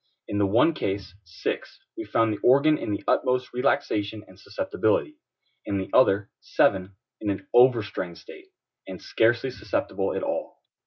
In the one case (6) we found the organ in the utmost relaxation and susceptibility; in the other (7) in an overstrained state, and scarcely susceptible at all.